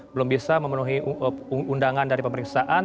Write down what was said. belum bisa memenuhi undangan dari pemeriksaan